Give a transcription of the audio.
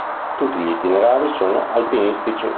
Tutti gli itinerari sono alpinistici.